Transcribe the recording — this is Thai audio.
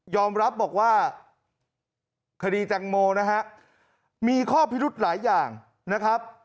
รับบอกว่าคดีแตงโมนะฮะมีข้อพิรุธหลายอย่างนะครับ